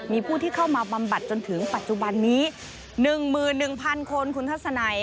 มีผู้ที่เข้ามาบำบัดจนถึงปัจจุบันนี้๑๑๐๐คนคุณทัศนัย